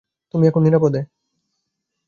তুমি এখন নিরাপদে।